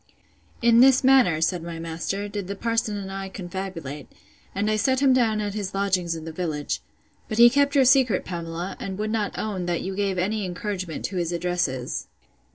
In this manner, said my master, did the parson and I confabulate; and I set him down at his lodgings in the village. But he kept your secret, Pamela; and would not own, that you gave any encouragement to his addresses.